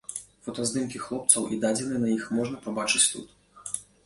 Фотаздымкі хлопцаў і дадзеныя на іх можна пабачыць тут.